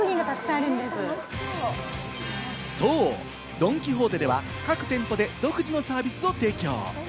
ドン・キホーテでは各店舗で独自のサービスを提供。